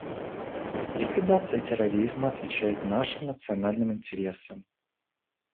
Ликвидация терроризма отвечает нашим национальным интересам.